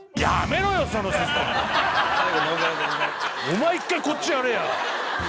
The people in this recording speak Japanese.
お前一回こっちやれや。